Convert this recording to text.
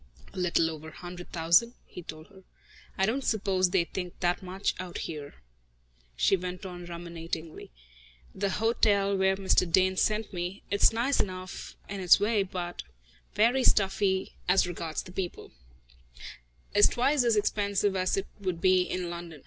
"A little over a hundred thousand," he told her. "I don't suppose they think that much out here," she went on ruminatingly. "The hotel where Mr. Dane sent me it's nice enough, in its way, but very stuffy as regards the people is twice as expensive as it would be in London.